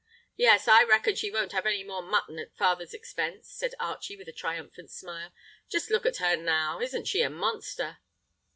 "Yes. I reckon she won't have any more mutton at father's expense," said Archie with a triumphant smile. "Just look at her now. Isn't she a monster?"